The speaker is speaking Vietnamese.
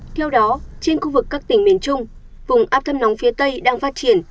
theo đó trên khu vực các tỉnh miền trung vùng áp thấp nóng phía tây đang phát triển